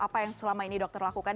apa yang selama ini dokter lakukan